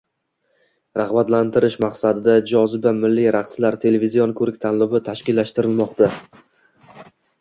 rag‘batlantirish maqsadida «Joziba» milliy raqslar televizion ko‘rik-tanlovi tashkillashtirilmoqda.